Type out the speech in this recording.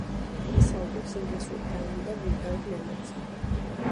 იგი საუბრობს ინგლისურ, ფრანგულ და ბულგარულ ენებზე.